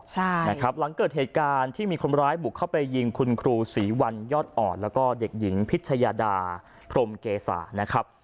ใช่นะครับหลังเกิดเหตุการณ์ที่มีคนร้ายบุกเข้าไปยิงคุณครูศรีวันยอดอ่อนแล้วก็เด็กหญิงพิชยาดาพรมเกษานะครับ